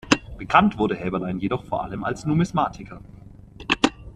Bekannt wurde Haeberlin jedoch vor allem als Numismatiker.